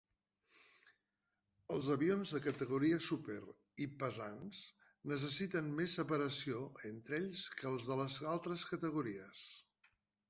Els avions de categoria super i pesants necessiten més separació entre ells que els de les altres categories.